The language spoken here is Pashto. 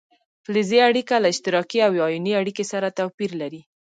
فلزي اړیکه له اشتراکي او ایوني اړیکې سره توپیر لري.